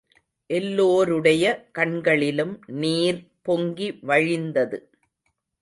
எல்லோருடைய கண்களிலும் நீர் பொங்கி வழிந்தது.